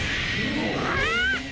あっ！